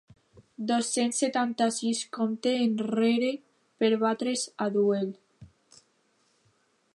Dos-cents setanta-sis compte enrere per batre's a duel.